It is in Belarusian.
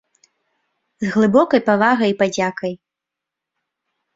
З глыбокай павагай і падзякай.